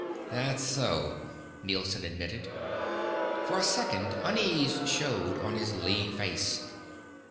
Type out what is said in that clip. "That's so," Nielson admitted. For a second unease showed on his lean face.